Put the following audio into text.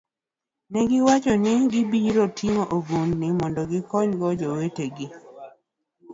Ne giwacho ni gibiro ting'o ogudu mondo gikonygo jowetegi.